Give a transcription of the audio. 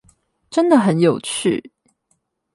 真的很有趣